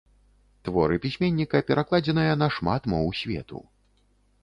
Творы пісьменніка перакладзеныя на шмат моў свету.